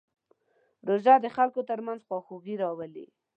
روژه د خلکو ترمنځ خواخوږي راولي.